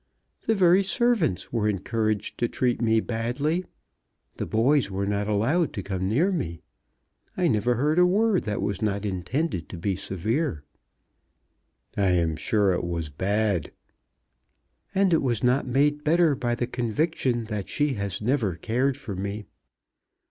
The very servants were encouraged to treat me badly. The boys were not allowed to come near me. I never heard a word that was not intended to be severe." "I am sure it was bad." "And it was not made better by the conviction that she has never cared for me.